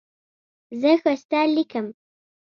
زه ښایسته لیکم.